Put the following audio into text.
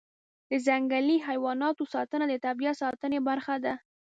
د ځنګلي حیواناتو ساتنه د طبیعت ساتنې برخه ده.